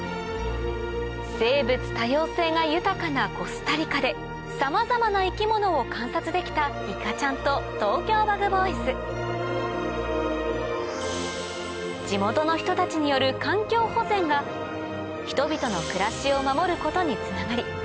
生物多様性が豊かなコスタリカでさまざまな生き物を観察できたいかちゃんとＴｏｋｙｏＢｕｇＢｏｙｓ地元の人たちによる環境保全が人々の暮らしを守ることにつながり